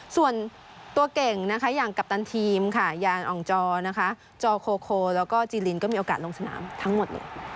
ส่วนตัวเก่งนะคะอย่างกัปตันทีมค่ะอย่างอ่องจอนะคะจอโคโคแล้วก็จีลินก็มีโอกาสลงสนามทั้งหมดเลย